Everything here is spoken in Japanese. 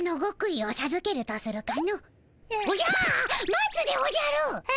待つでおじゃる。え？